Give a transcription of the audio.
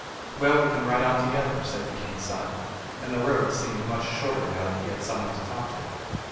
"Well, we can ride on together," said the king's son, and the road seemed much shorter now that he had some one to talk to.